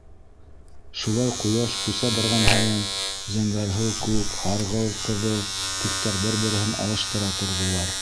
Шулай ҡояш күсә барған һайын, зәңгәрһыу күк, һарғылт ҡыҙыл төҫтәр бер-береһен алыштыра торҙолар...